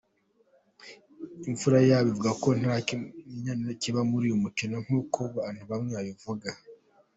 Imfurayabo avuga ko nta kimenyane kiba muri uyu mukino nk’uko abantu bamwe babivuga.